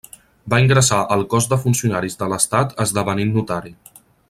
Va ingressar al Cos de Funcionaris de l'Estat esdevenint notari.